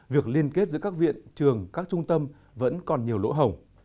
việc liên kết giữa các viện trường các trung tâm vẫn còn nhiều lỗ hồng